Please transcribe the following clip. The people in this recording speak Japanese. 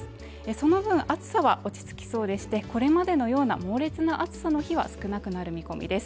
その分暑さは落ち着きそうでしてこれまでのような猛烈な暑さの日は少なくなる見込みです